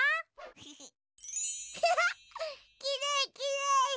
きれいきれい。